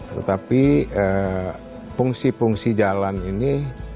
tetapi fungsi fungsi jalan ini